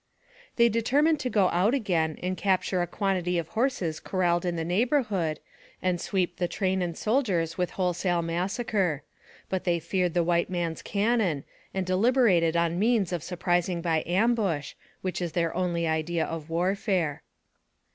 They determined to go out again, and capture a quantity of horses corralled in the neighborhood, and sweep the train and soldiers with wholesale massacre; but they feared the white man's cannon, and deliberated on means of surprising by ambush, which is their only idea of warfare.